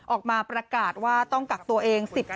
ออกมาประกาศว่าต้องกักตัวเอง๑๐